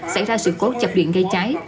xảy ra sự cốt chập điện gây cháy